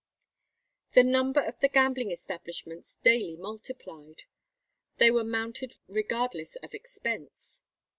The number of the gambling establishments daily multiplied. They were mounted regardless of expense.